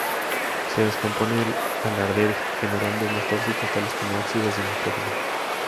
Se descompone al arder, generando humos tóxicos tales como óxidos de nitrógeno.